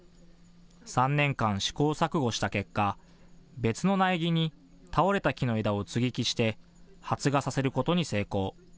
３年間、試行錯誤した結果、別の苗木に倒れた木の枝を接ぎ木して発芽させることに成功。